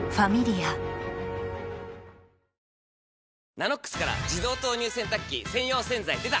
「ＮＡＮＯＸ」から自動投入洗濯機専用洗剤でた！